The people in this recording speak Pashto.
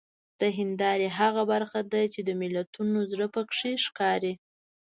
د هیندارې هغه برخه ده چې د ملتونو زړه پکې ښکاري.